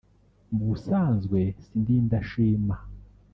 Mu busanzwe sindi indashima